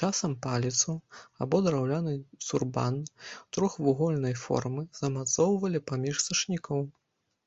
Часам паліцу або драўляны цурбан трохвугольнай формы замацоўвалі паміж сашнікоў.